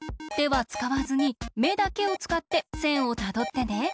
てはつかわずにめだけをつかってせんをたどってね。